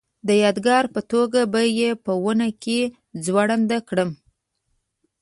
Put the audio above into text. د یادګار په توګه به یې په ونه کې ځوړنده کړم.